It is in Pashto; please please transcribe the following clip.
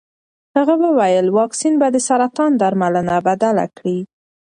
هغې وویل واکسین به د سرطان درملنه بدله کړي.